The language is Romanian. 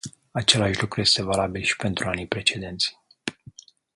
Același lucru este valabil și pentru anii precedenți.